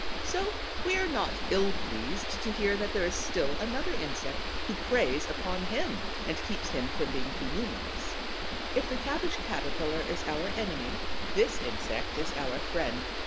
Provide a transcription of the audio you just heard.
So we are not ill pleased to hear that there is still another insect who preys upon him and keeps him from being too numerous. If the Cabbage caterpillar is our enemy, this insect is our friend.